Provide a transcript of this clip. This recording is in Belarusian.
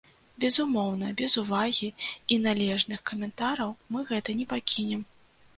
Безумоўна, без увагі і належных каментараў мы гэта не пакінем.